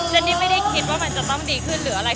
นี่ไม่ได้คิดว่ามันจะต้องดีขึ้นหรืออะไร